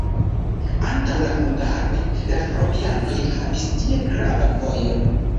Antaŭ la hungaroj la romianoj havis tie gravan vojon.